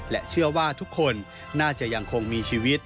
เชื่อว่าทุกคนน่าจะยังคงมีชีวิต